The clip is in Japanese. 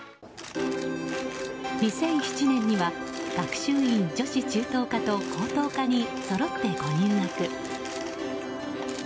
２００７年には学習院女子中等科と高等科にそろってご入学。